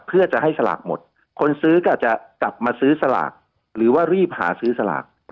เพื่อจะให้สลากหมดคนซื้อก็อาจจะกลับมาซื้อสลากหรือว่ารีบหาซื้อสลาก